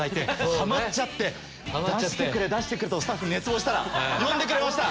ハマっちゃって出してくれ！とスタッフに熱望したら呼んでくれました！